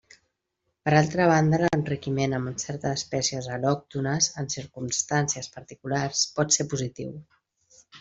Per altra banda l'enriquiment amb certes espècies al·lòctones, en circumstàncies particulars, pot ser positiu.